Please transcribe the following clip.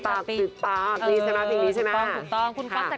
ซึ่งใช้มาเพียงดีใช่มะ